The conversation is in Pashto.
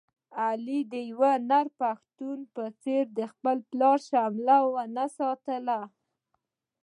علي د یو نر پښتون په څېر د خپل پلار شمله و نه ساتله.